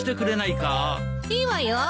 いいわよ。